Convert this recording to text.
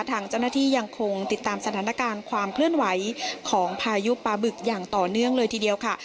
ทางเจ้าหน้าที่ยังคงติดตามสถานการณ์ความเคลื่อนไหวของพายุปลาบึกอย่างต่อเนื่องเลยทีเดียวค่ะ